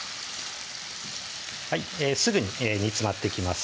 すぐに煮詰まってきます